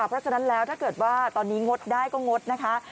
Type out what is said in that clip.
เพราะฉะนั้นแล้วถ้าเกิดว่าตอนนี้งดได้ก็งดนะคะ